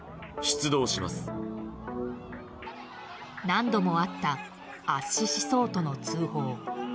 何度もあった圧死しそうとの通報。